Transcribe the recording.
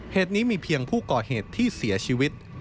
เหตุนี้มีเพียงผู้ก่อเหตุที่เสียชีวิต